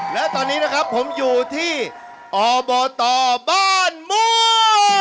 และตอนนี้นะครับผมอยู่ที่อบตบ้านม่วง